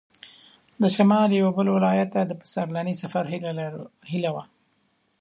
د شمال یوه بل ولایت ته د پسرلني سفر هیله وه.